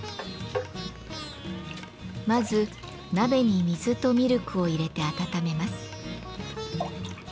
まず鍋に水とミルクを入れて温めます。